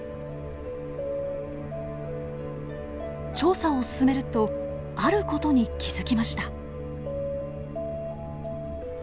調査を進めるとある事に気付きました。